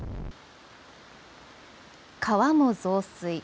川も増水。